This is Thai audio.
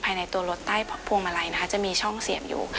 ภายในตัวรถใต้พวงมาลัยนะคะจะมีช่องเสียบอยู่